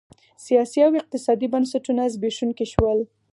سیاسي او اقتصادي بنسټونه زبېښونکي شول